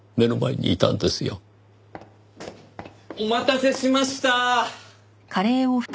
お待たせしましたー！